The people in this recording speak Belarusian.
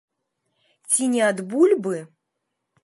Ці не ад бульбы?